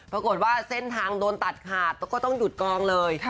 ปรากฏว่าเส้นทางโดนตัดขาดแล้วก็ต้องหยุดกองเลย